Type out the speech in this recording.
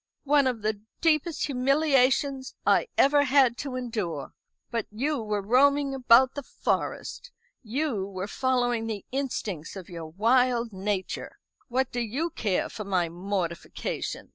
"One of the deepest humiliations I ever had to endure. But you were roaming about the Forest. You were following the instincts of your wild nature. What do you care for my mortification?